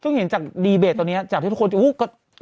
ซึ่งเห็นจากดีเบจตรงนี้จากทุกคน